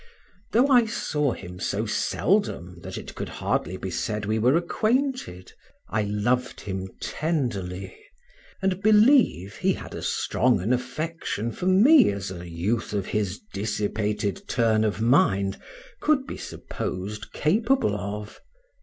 Though I saw him so seldom that it could hardly be said we were acquainted. I loved him tenderly, and believe he had as strong an affection for me as a youth of his dissipated turn of mind could be supposed capable of.